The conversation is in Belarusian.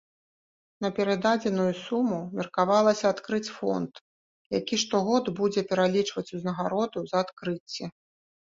На перададзеную суму меркавалася адкрыць фонд, які штогод будзе пералічваць узнагароду за адкрыцці.